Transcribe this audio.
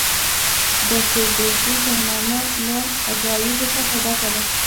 د فردوسي شاهنامه له عجایبو څخه ډکه ده.